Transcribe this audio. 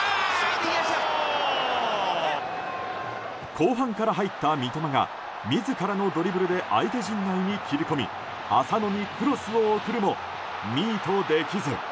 後半から入った三笘が自らのドリブルで相手陣内に切り込み浅野にクロスを送るもミートできず。